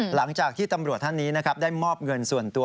หลังจากที่ตำรวจท่านนี้นะครับได้มอบเงินส่วนตัว